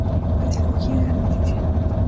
Pedagogía de la noticia.